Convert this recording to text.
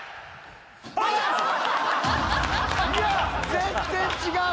全然違う！